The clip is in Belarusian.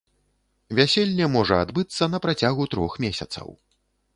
Вяселле можа адбыцца на працягу трох месяцаў.